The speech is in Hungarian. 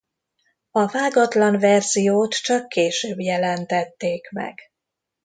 A vágatlan verziót csak később jelentették meg.